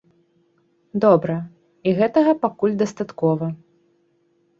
Добра, і гэтага пакуль дастаткова.